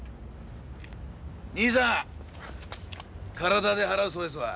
兄さん体で払うそうですわ。